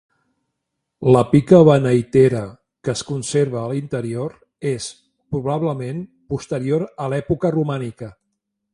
La pica beneitera que es conserva a l'interior és, probablement posterior a l'època romànica.